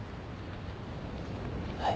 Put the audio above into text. はい。